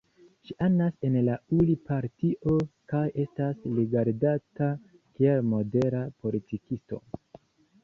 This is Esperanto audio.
Ŝi anas en la Uri-Partio kaj estas rigardata kiel modera politikisto.